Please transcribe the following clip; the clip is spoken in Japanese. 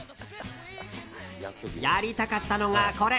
やりたかったのがこれ。